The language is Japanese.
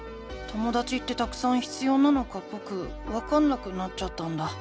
ともだちってたくさん必要なのかぼくわかんなくなっちゃったんだ。